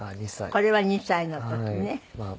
これは２歳の時ね。